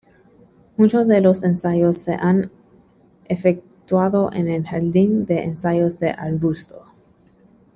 Mucho de los ensayos se han efectuado en el jardín de ensayo del arbusto.